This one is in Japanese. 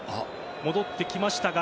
戻ってきましたが。